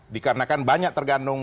dikarenakan banyak tergantung